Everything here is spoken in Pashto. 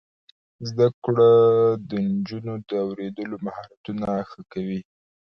زده کړه د نجونو د اوریدلو مهارتونه ښه کوي.